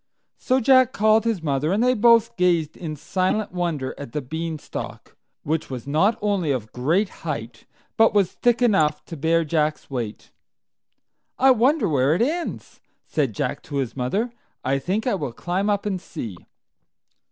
So Jack called his mother, and they both gazed in silent wonder at the Beanstalk, which was not only of great height, but it was thick enough to bear Jack's weight. "I wonder where it ends," said Jack to his mother; "I think I will climb up and see."